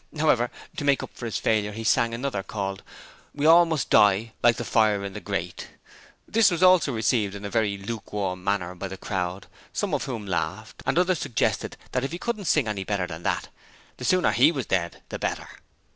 However, to make up for this failure he sang another called 'We all must die, like the fire in the grate'. This also was received in a very lukewarm manner by the crowd, same of whom laughed and others suggested that if he couldn't sing any better than that, the sooner HE was dead the better.